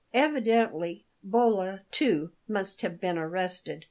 Evidently Bolla, too, must have been arrested.